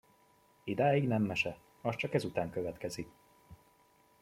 Idáig nem mese, az csak ezután következik.